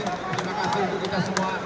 terima kasih untuk kita semua